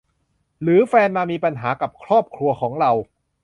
หรือแฟนมามีปัญหากับครอบครัวของเรา